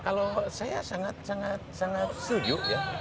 kalau saya sangat sangat setuju ya